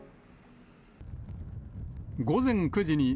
午前９時に、